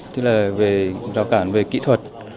thì là rào cản về kỹ thuật